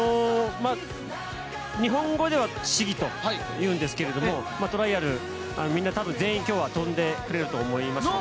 日本語では試技というんですがトライアルみんな全員今日は飛んでくれると思います。